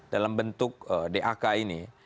dalam bentuk dak ini